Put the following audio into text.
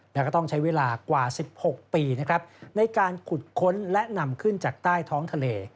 แล้วก็ต้องใช้เวลากว่า๑๖ปีนะครับในการขุดค้นและนำขึ้นจากใต้ท้องทะเล